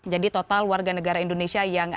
jadi total warga negara indonesia yang nanti